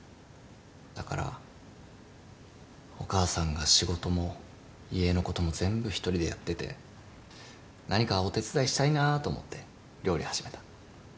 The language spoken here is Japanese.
だからお母さんが仕事も家のことも全部一人でやってて何かお手伝いしたいなと思って料理始めた。